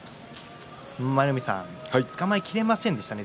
舞の海さん、つかまえきれませんでしたね